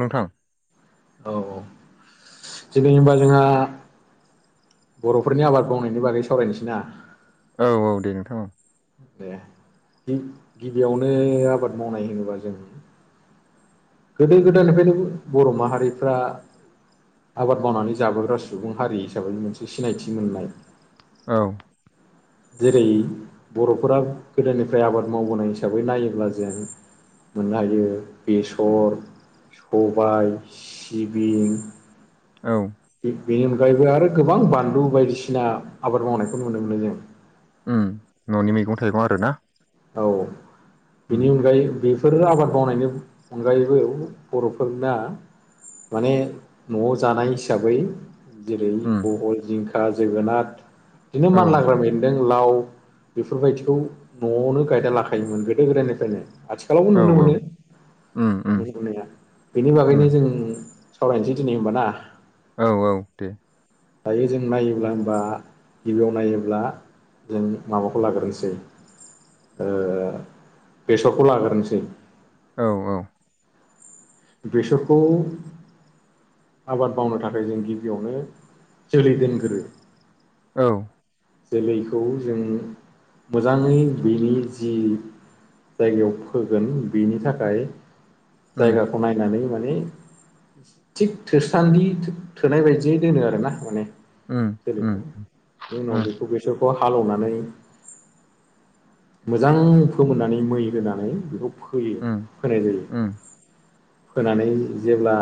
नोंथां औ औ दिनै होनबा जोंहा बर'फोरनि आबाद मावनायनि बागै सावरायनोसै ना औ औ दे नोंथां औ दे गि-गिबियावनो आबाद मावनाय होनोबा जों गोदो गोदायनिफ्रायनो बर' माहारिफ्रा आबाद मावनानै जाबोग्रा सुबुं हारि हिसाबै मोनसे सिनायथि मोननाय औ [inaudible] जेरै बर'फोरा गोदोनिफ्राय आबाद मावबोनाय हिसाबै नायोब्ला जों मोननो हायो बेसर सबाय सिबिं औ बेनि अनगायैबो आरो गोबां बानलु बायदिसिना आबाद मावनायखौ नुनो मोनो जों ओम ननि मैगं थाइगं आरोना औ उम बेनि अनगायै बे फोर आबाद मावनायनि अनगायैबो बर'फोरना माने न'आव जानाय हिसाबै जेरै उम बहल जिंखा जोगोनाथ बिदिनो औ मानलाग्रा बेनदों लाव बेफोरबायदिखौ न'आवनो गायना लाखायोमोन गोदो गोदायनिफ्रायनो आथिखालावबो औ नुनो औ मोनो उम उम नुजुरनाया बेनि उम बागैनो जों सावरायनोसै दिनै होमबा ना औ औ दे दायो जों नायोब्ला होमबा गिबियाव नायोब्ला जों माबाखौ लाग्रोनसै ओ बेसरखौ लाग्रोनोसै औ औ बेसरखौ आबाद मावनो थाखाय जों गिबियावनो जोलै दोनगोरो औ जोलैखौ जों मोजाङै बेनि जि जायगायाव फोगोन बेनि थाखाय उम होननानै माने थिग थोस्रान्दि थोनाय बायदियै दोनो आरो ना माने उम जोलैखौ उम बेनि उनाव उम उम बेखौ बेसरखौ हाल'नानै मोजां फोमोननानै मै होनानै बेखौ फोयो उम होनाय जायो उम फोनानै जेब्ला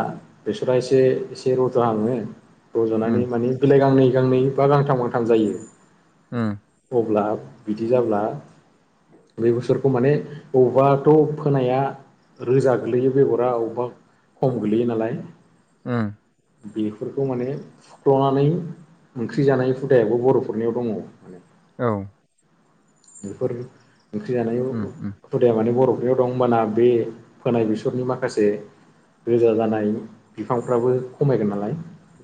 बेसरा एसे एसे रज'हाङो उम रज'नानै माने बिलाइ गांनै गांनै बा गांथाम गांथाम जायो उम अब्ला बिदि जाब्ला बे बे बेसरखौ माने बबेबाथ' फोनाया रोजा गोलैयो बेगरा अबेबा खम गोलैयो नालाय उम बेफोरखौ माने फुख्ल'नानै ओंख्रि जानाय हुदायाबो बर'फोरनियाव दंङो माने औ बेफोर ओंख्रि जानाय उम उम हुदाया माने बर' फख्रियाव दं हबाना बे फोनाय बेसरनि माखासे रोजा जानाय बिफांफ्राबो खमायगोन नालाय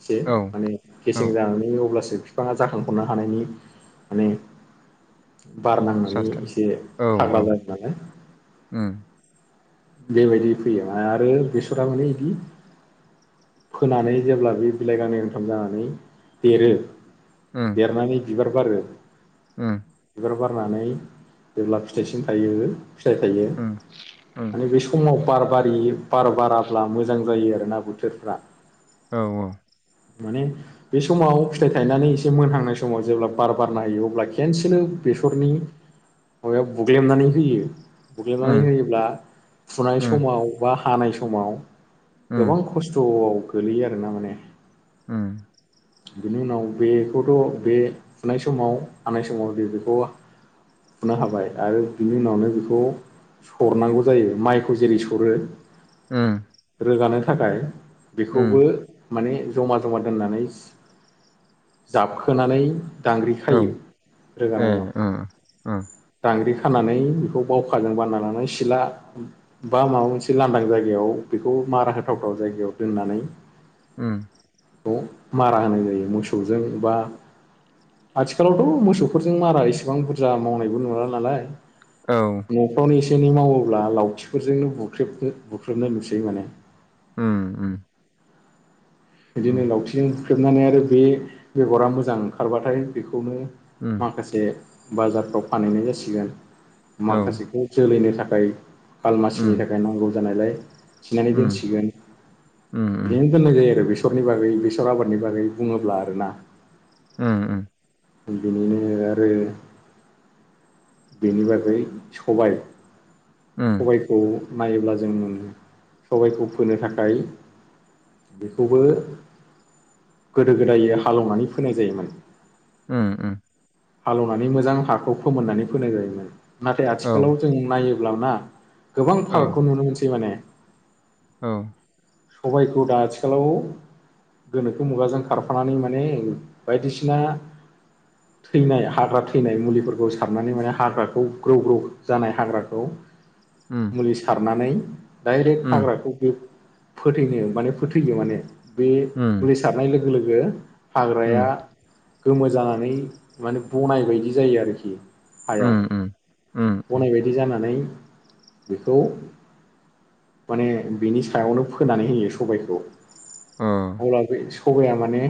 एसे औ माने केेसें औ जानानै अब्लासो जे बिफाङा जाखांफुनो हानायनि माने बार नांनानै सास्थाय एसे औ औ [unintelligible] उम बेबायदि फैयो आरो बेसरा माने बिदि फोनानै जेब्ला बे बिलाइ गांनै गांथाम जानानै देरो उम दरनानै बिबार बारो उम बिबार बारनानै जेब्ला फिथाइसि थायो फिथाइ थायो उम उम माने बे समाव बार बारि बार बाराब्ला मोजां जायो आरोना बोथोरफ्रा। औ-औ माने बै समाव फिथाइ थायनानै एसे मोनहांनाय समाव जेब्ला बार-बारना होयो अब्ला खेनसेनो बेसरनि माबायाव बुग्लेमनानै होयो बुग्लेमनानै होयोब्ला फुनाय उम समाव बा हानाय समाव उम गोबां खस्थ'आव गोलैयो आरो ना माने उम बिनि उनाव बेखौथ बे फुनाय समाव हानाय समाव जों बेखौ फुना लाबाय आरो बिनि उनावनो बेखौ सरनांगौ जायो माइखौ जेरै सरो उम रोगानो थाखाय उम बेखौबो माने जमा-जमा दोननानै जाबखोनानै दांग्रि औ खायो ए रोगानायाव ओ ओ दांग्रि खानानै बेखौ बावखाजों बानानानै सिला बा माबा मोनसे लांदां जायगायाव बेखौ मारा होथावथाव जायगायाव दोननानै उम खौ मारा होनाय जायो मोसौजों एबा आथिखालावथ मोसौफोरजों मारा इसेबां बुरजा मावनायबो नुवाला नालाय। औ न'फ्रावनो एसे एनै मावो अब्ला लावथिफोरजोंनो बुख्रेब बुख्रेबनाय नुसै माने। उम-उम बिदिनो लावथिंजों बुख्रेबनानै आरो बे बेगरा मोजां ओंखारबाथाय बेखौनो माखासे बाजारफ्राव फानहैनाय जासिगोन औ माखासेखौ जोलैनो थाखाय थाखाय खालमासिनि थाखाय नांगौ जानायलाय थिनानै दोनसिगोन बिदिनो दोननाय जायो आरो बे बेसरनि बागै बेसर आबादनि बागै बुङोब्ला आरोना। ओं-ओं [unintelligible] बेनि बागै सबाय सबायखौ नायोब्ला जों सबायखौ फोनो थाखाय बेखौबो गोदो गोदाय हालेवनानै फोनाय जायोमोन। ओं-ओं हालेवनानै मोजां हाखौ फोमोननानै फोनाय जायोमोन नाथाय आथिखालाव औ जों नायो ब्ला ना गोबां फाराकखौ नुनो मोनसै माने औ। सबायखौ दा आथिखालाव गोनोखो मुगाजों खारफानानै माने बायदिसिना थैनाय हाग्रा थैनाय मुलिफोरखौ सारनानै माने हाग्राखौ ग्रौ ग्रौ जानाय हाग्राखौ मुलि सारनानै डाइरेक्ट हाग्राखौ फोथैनो माने फोथैयो माने बे मुलि सारनाय लोगो लोगो हाग्राया गोमो जानानै माने बनाय बायदि जायो आरोखि। हायाव बनायबायदि जानानै बेखौ माने बिनि सायावनो फोनानै होयो सबायखौ। अब्ला बे सबाया माने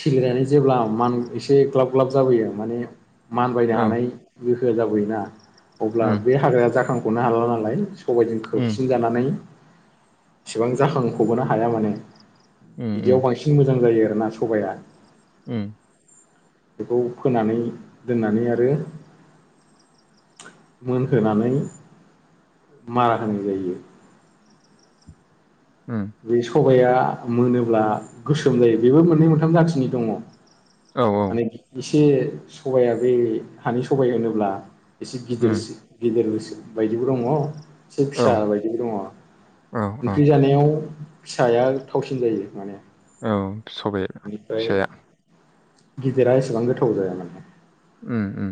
खिलिनानै जेब्ला मान एसे ग्लाब ग्लाब जाबोयो माने मानबायनो हानाय गोहोआ जाबोयोना। अब्ला बे हाग्राया जाखांख'नो हाला नालाय सबायजों खोबसिन जानानै एसेबां जाखांफबोनो हाया माने बिदियाव बांसिन मोजां जायो। ना सबाया। ओम। बेखौ फोनानै दोननानै आरो मोनहोनानै मारा होनाय जायो। बे सबाया मोनोब्ला गोसोम जायो बेबो मोननै मोनथाम जाथिनि दङ। माने एसे सबाया बे हानि सबाइ होनोब्ला एसे गिदिरस गिदिरस बायदिबो दङ'। एसे फिसा बायदिबो दङ ओंख्रि जानायाव फिसाया थावसिन जायो माने। औ सबाइ बेनिफ्राय फिसाया। गिदिरा एसेबां गोथाव जाया माने। ओम ओम।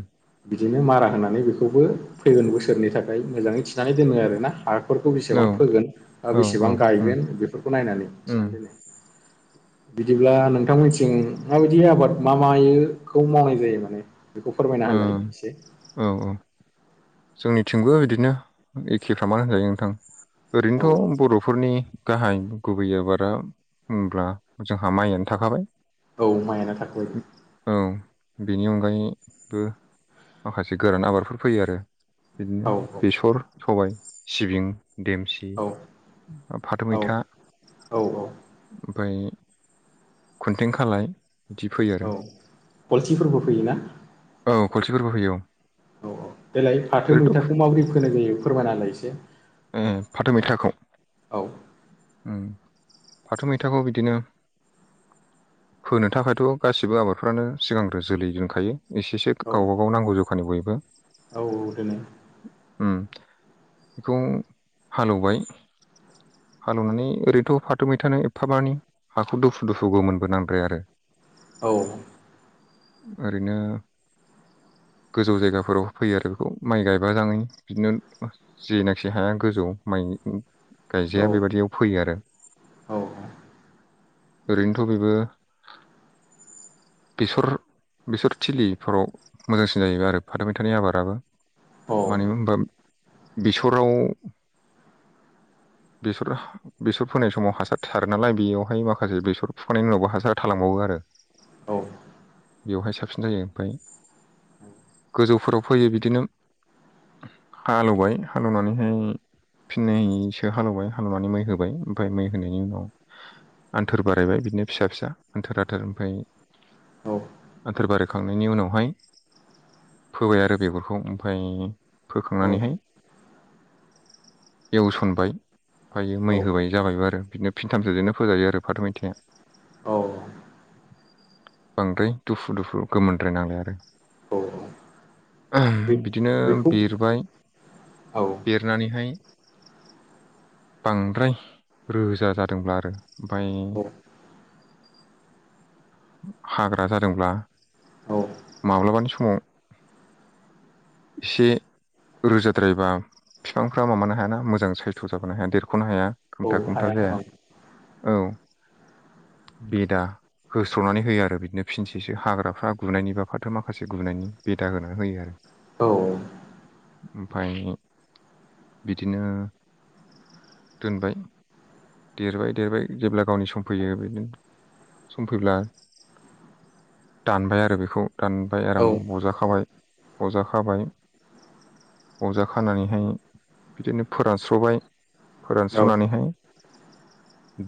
बिदिनो मारा होनानै बेखौबो फैगोन बोसोरनि थाखाय मोजाङै थिनानै दोनो आरोना। हा फोरखौ बेसेबां फोगोन ओ बेसेबां गायगोन बेफोरखौ नायनानै थिनानै दोनो। बिदिब्ला नोंथांमोनथिं माबायदि आबाद मा मायोखौ मावनाय जायो माने? बेखौ फोरमायना होलाय एसे। औ जोंनिथिंबो इदिनो एखेफ्रामानो होनजायो नोंथां औ ओरैनोथ' बर'फोरनि गाहाय गुबै आबादा होमब्ला जोंहा माइयानो थाखाबाय। औ माइयानो थाखायो। औ बेनि अनगायैबो माखासे गोरान आबादफोर फैयो आरो। बिदिनो औ बेसर, सबाय, सिबिं देमसि, औ फाथो औ मैथा उ। औ औ ओमफ्राय खुन्थें खालाय। बिदि फैयो आरो औ गलथिफोरबो फैयोना औ खलथिफोरबो फैयो औ। औ औ देलाय फाथो ओरैनोथ' मैथाखौ माबोरै फोनाय जायो फोरमायनालाय इसे। ओम फाथो मैथाखौ उम। फाथो मैथाखौ बिदिनो फोनो थाखायथ' गासिबो आबादफ्रानो सिगांग्रो जोलै दोनखायो। एसेसो औ गावबागाव नांगौ जखानि बयबो। औ दोनो होम बेखौ हालौबाय। हालौनानै ओरैनोथ' फाथो मैथानो एफाबानि हाखौ दोफु दुफु गोमोनबो नांद्राया आरो। औ। ओरैनो गोजौ जायगाफोराव फोयो आरो बेखौ माइ गायबाजाङै बिदिनो जेनाखि हाया गोजौ माइनि उ। औ गायजाया बेबादियाव फोयो आरो। औ ओरैनोथ' बेबो बेसर बेसर थिलिफोराव मोजांसिन जाहैबाय आरो फाथो मैथानि आबादाबो। मानो होनबा बेसराव [inaudible] बेसर बेसर फोनाय समाव हासार थारो नालाय बेयावहाय माखासे बेसर फुखांनायनि उनावबो हासार थालांबावो आ रो । औ। बेवहाय साबसिन जायो ओमफ्राय औ गोजौफोराव फैयो बिदिनो हालेवबाय हालौवनानैहाय फिननैसो हालेवबाय हालौवनानै मै होबाय ओमफ्राय मै होनायनि उनाव ह आन्थोर बारायबाय बिदिनो फिसा-फिसा आन्थोर-आन्थोर ओमफ्राय औ आथोर बारायखांनायनि उनावहाय फोबाय आरो बेगरखौ ओमफ्राय फोखांनानैहाय एवसनबाय ओमफाय मै औ होबाय जाबायबो आरो बिदिनो फिनथामसोजोंनो फोजायो आरो फाथो, मैथाइआ । औ। बांद्राय दुफु दुफु गोमोनद्राय नांलाय आरो औ । ओह बे बिदिनो बेखौ बेरबाय औ बेरनानैहाय [inaudible] बांद्राय रोजा जादोंब्ला आरो ओमफ्राय औ [inaudible] हाग्रा जादोंब्ला औ माब्लाबानि समाव एसे रोजाद्रायबा बिफांफ्रा माबानो हायाना मोजां सायथ' जाबोनो हाया देरख'नो हाया । औ हाया औ। औ बेदा होस्र'नानै होयो आरो बिदिनो फिनसेसो हाग्राफ्रा गुनायनि बा फाथो माखासे गुनायनि बेदा होनानै होयो आरो । औ। ओमफाय बिदिनो दोनबाय देरबाय-देरबाय जेब्ला गावनि सम फैयो बिदिनो सम फैब्ला दानबाय आरो बेखौ दानबाय औ आराम बजाखाबाय अजाखाबाय। अजा खानानैहाय बिदिनो फोरानस्र'बाय। फोरानस्र'नानैहाय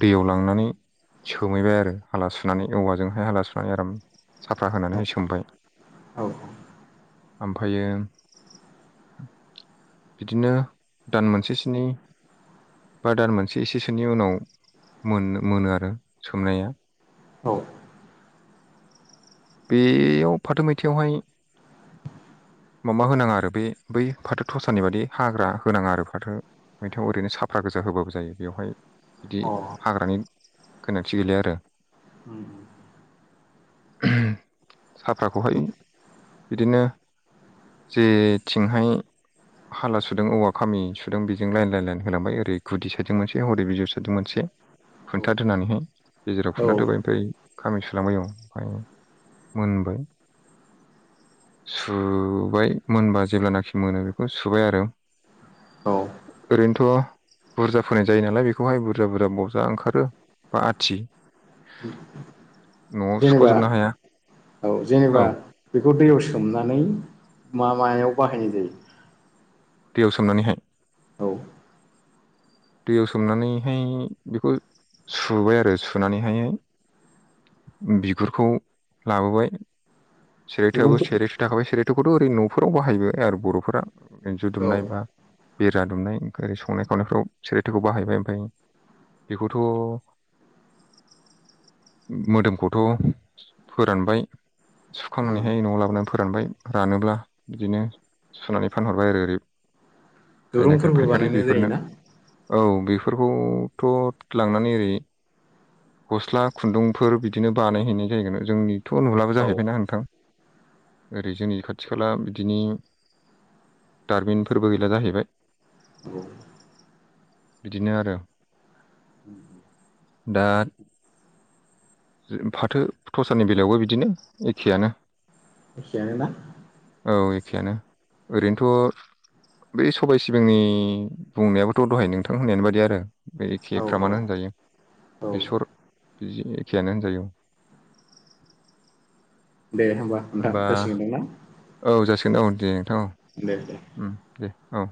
दैयाव लांनानै सोमहैबाय आरो हाला सुनानै औवाजोंहाय हाला सुनानै आराम साफा औ होनानैहाय सोमबाय। औ अ ओमफायो बिदिनो दान मोनसे स्नि बा दान मोनसे एसेसोनि उनाव मोन-मोनो आरो सोमनाया । औ। बेयाव फाथो मैथायाइावहाय माबा होनाङा आरो बे बै फाथो थसानि बादि हाग्रा होनाङा आरो फाथो मैथायाव ओरैनो साफ्रा गोजा होबाबो जायो बेवहाय बिदि हाग्रानि गोनांथि गैलिया आरो उ उ साफ्राखौहाय बिदिनो जेथिंहाय हाला सुदों औवा खामि सुदों बेजों लायेन-लायेन-लायेन होलांबाय ओरै गुदि साजों मोनसे हरै बिजौ साजों मोनसे उम खोन्थादोनानैहाय गेजेराव औ खुन्थादोबाय ओमफ्राय खामि सुलांबाय आं ओमफ्राय मोनबाय । सुबाय मोनबा जेब्लानाखि मोनो बेखौ सुबाय आरो औ । ओरैनोथ' अ बुरजा फोनाय जायो नालाय बेखौहाय बुरजा-बुरजा बजा ओंखारो बा आथि न'आव जेनेबा सुख'जोबनो हाया औ औ जेनेबा बेखौ दैयाव सोमनानै मा-मायाव बाहायनाय जायो? दैयाव सोमनानैहाय? औ दैयाव सोमनानैहाय बेखौ सुबाय आरो सुनानैहाय बिगुरखौ लाबोबाय। सेरायथोआबो दुरुंफोर सेरायथो थाखाबाय सेरायथोखौथ' ओरै न'फोराव बाहायबाय आरो बर'फोरा। इन्जु औ दुमनाय बा बेरा दुमनाय ओफ्राय ओर संनाय खावनायफ्राव सेरायथोखौ बाहायबाय ओमफफ्राय बेखौथ' मोदोमखौथ' फोरानबाय उम सुखांनानैहाय न'आव लाबोनानै फोरानबाय रानोब्ला बिदिनो सुनानै फानहरबाय आरो ओरै जायनिख दुरुंफोरबो फायखारि बानायनाय बेफोरनो जायोना औ बेफोरखौथ' लांनानै ओरै गस्ला खुन्दुंफोर बिदिनो बानायहैनाय जायगोन जोंनिथ' नुलाबो औ जाहैबायना होनदों थां ओरै जोंनि खाथि खाला बिदिनि दारमिनफोरबो गैला जाहैबाय औ बिदिनो आरो! दा फाथो थस्रानि बेलायावबो बिदिनो एखेआनो एसेआनोना औ एखेयानो ओरैनोथ' बै सबाय सिबिंनि बुंनायाबोथ' दहाय नोंथां होननायानो बादि आरो बे एखे औ फ औ मानो होनजायो औ बेसर बिदि एखेयानो होनजायो दे होमबा नोंथां होसिगोन नों ना सगोन औ दे नोंथां दे दे औ दे औ।